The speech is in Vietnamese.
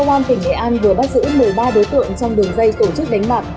tỉnh nghệ an vừa bắt giữ một mươi ba đối tượng trong đường dây tổ chức đánh bạc